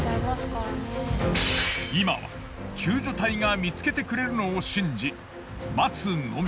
今は救助隊が見つけてくれるのを信じ待つのみ。